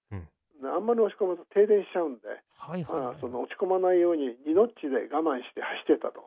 あんまり落ち込むと停電しちゃうんで落ち込まないように２ノッチで我慢して走ってたと。